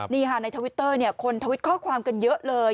นี่ค่ะในทวิตเตอร์คนทวิตข้อความกันเยอะเลย